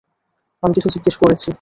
আমি কিছু জিজ্ঞেস করেছি।